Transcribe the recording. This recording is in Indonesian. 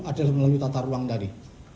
adalah melalui tata ruang tadi